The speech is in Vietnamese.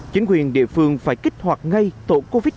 chính quyền địa phương phải kích hoạt ngay tổ covid một mươi chín